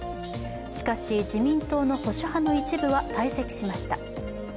しかし自民党の保守派の一部は退席しました。